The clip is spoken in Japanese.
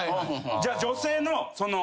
じゃあ女性のその。